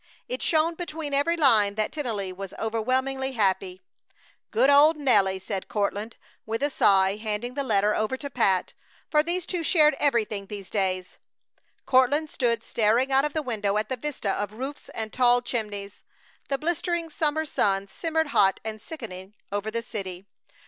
It shone between every line that Tennelly was overwhelmingly happy. "Good old Nelly!" said Courtland, with a sigh, handing the letter over to Pat, for these two shared everything these days. Courtland stood staring out of the window at the vista of roofs and tall chimneys. The blistering summer sun simmered hot and sickening over the city.